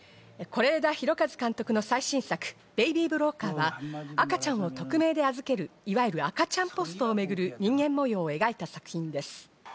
是枝裕和監督の最新作『ベイビー・ブローカー』は赤ちゃんを匿名で預ける、いわゆる赤ちゃんポストを巡る人間模様を描いた作品です。